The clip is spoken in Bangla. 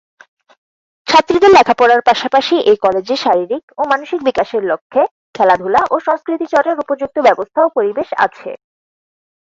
ছাত্রীদের লেখাপড়ার পাশাপাশি এ কলেজে শারীরিক ও মানসিক বিকাশের লক্ষ্যে খেলাধুলা ও সংস্কৃতি চর্চার উপযুক্ত ব্যবস্থা ও পরিবেশ আছে।